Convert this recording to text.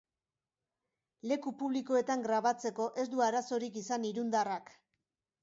Leku publikoetan grabatzeko ez du arazorik izan irundarrak.